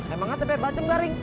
emangnya tepe bacem garing